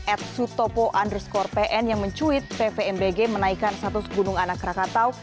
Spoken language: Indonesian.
atsutopo underscore pn yang mencuit pvmbg menaikkan status gunung anak krakatau